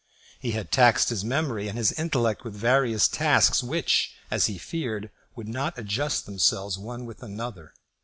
He had taxed his memory and his intellect with various tasks, which, as he feared, would not adjust themselves one with another.